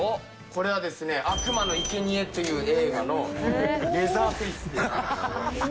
これはですね、悪魔のいけにえという映画のレザーフェイスです。